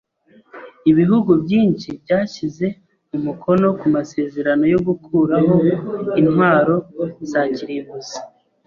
Ibihugu byinshi byashyize umukono ku masezerano yo gukuraho intwaro za kirimbuzi.